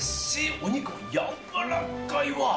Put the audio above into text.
お肉、柔らかいわ。